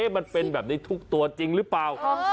มันเป็นแบบนี้ทุกตัวจริงหรือเปล่า